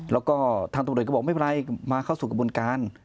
แล้วก็ทางตำรวจก็บอกไม่เป็นไรมาเข้าสู่กระบวนการ